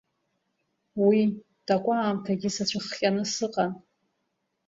Уи такәаамҭагьы сацәыхҟьаны сыҟан.